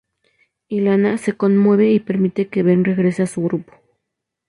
Ilana se conmueve y permite que Ben regrese a su grupo.